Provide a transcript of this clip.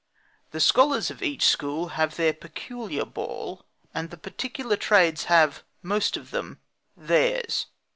The scholars of each school have their peculiar ball; and the particular trades have, most of them, theirs.